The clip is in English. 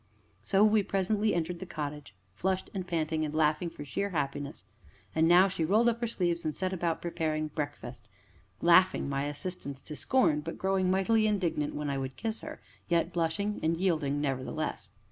So we presently entered the cottage, flushed and panting, and laughing for sheer happiness. And now she rolled up her sleeves, and set about preparing breakfast, laughing my assistance to scorn, but growing mightily indignant when I would kiss her, yet blushing and yielding, nevertheless.